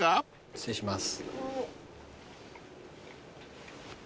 失礼します。